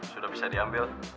sudah bisa diambil